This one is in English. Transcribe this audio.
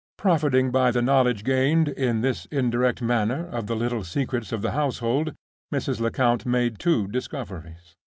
Profiting by the knowledge gained, in this indirect manner, of the little secrets of the household, Mrs. Lecount made two discoveries.